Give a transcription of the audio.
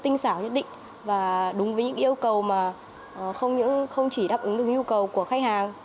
tinh xảo nhất định và đúng với những yêu cầu mà không chỉ đáp ứng được nhu cầu của khách hàng